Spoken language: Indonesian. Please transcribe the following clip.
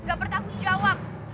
gak bertanggung jawab